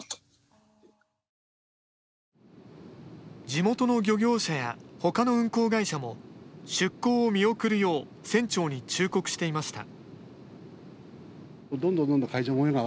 地元の漁業者やほかの運航会社も出航を見送るよう船長に忠告していました。